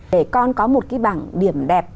để con có một cái bảng điểm đẹp